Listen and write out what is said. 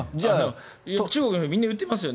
中国の人みんな言っていますよね。